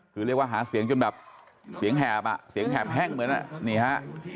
คือเรียกว่าหาเสียงจนแบบเสียงแหบอ่ะเสียงแหบแห้งเหมือนอ่ะนี่ฮะ